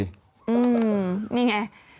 อืมนี่ไง